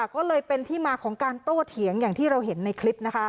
ก็เลยเป็นที่มาของการโต้เถียงอย่างที่เราเห็นในคลิป